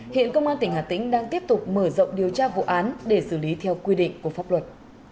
hiện công an tỉnh hà tĩnh đang tiếp tục mở rộng điều tra vụ án để xử lý theo quy định của pháp luật